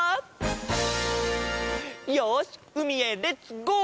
よしうみへレッツゴー！